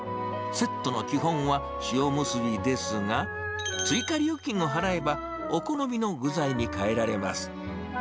セットの基本は塩むすびですが、追加料金を払えば、お好みの具材に変えられます。